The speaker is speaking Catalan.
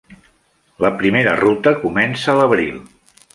La primera ruta comença a l"abril.